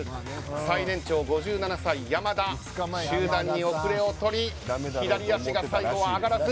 最年長５７歳、山田集団に遅れを取り左足が最後は上がらず。